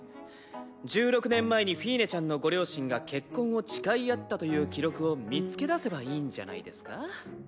１６年前にフィーネちゃんのご両親が結婚を誓い合ったという記録を見つけ出せばいいんじゃないですか？